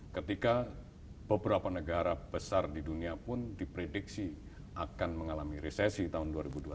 ketika beberapa negara besar di dunia pun diprediksi akan mengalami resesi tahun dua ribu dua puluh satu